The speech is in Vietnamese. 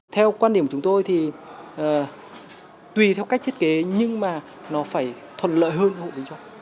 theo quan điểm của chúng tôi thì tùy theo cách thiết kế nhưng mà nó phải thuận lợi hơn hộ kinh doanh